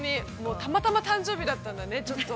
たまたま誕生日だったんだね。